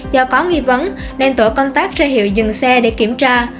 do có nghi vấn nên tổ công tác ra hiệu dừng xe để kiểm tra